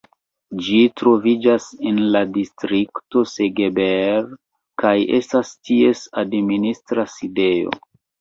Ĝi troviĝas en la distrikto Segeberg, kaj estas ties administra sidejo.